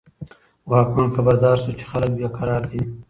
واکمن خبردار شو چې خلک بې قرار دي.